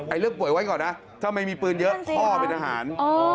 เรื่องป่วยไว้ก่อนนะถ้าไม่มีปืนเยอะพ่อเป็นอาหาร